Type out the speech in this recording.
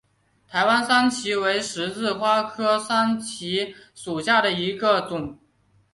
台湾山荠为十字花科山荠属下的一个种。